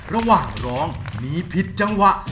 ระหว่างร้องมีผิดจังหวะ